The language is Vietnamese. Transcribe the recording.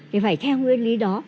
thì phải theo nguyên lý đó